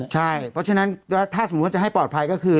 ใช่เพราะฉะนั้นถ้าสมมุติจะให้ปลอดภัยก็คือ